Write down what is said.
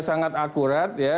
sangat akurat ya